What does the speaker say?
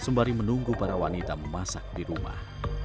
sembari menunggu para wanita memasak di rumah